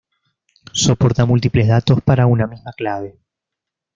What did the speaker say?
Soporta múltiples datos para una misma clave.